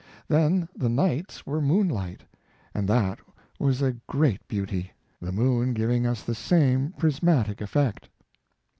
Then the nights were moonlight, and that was a great beauty, the moon giving us the same prismatic effect.